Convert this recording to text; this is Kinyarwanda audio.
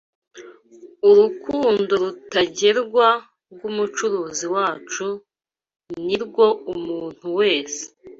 Urukundo rutagerwa rw’Umucunguzi wacu ni rwo umuntu wese